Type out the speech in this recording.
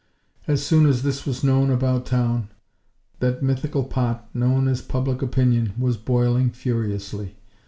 As soon as this was known about town, that mythical pot, known as Public Opinion, was boiling furiously.